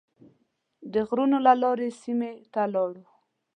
د غرونو له لارې سیمې ته ولاړ.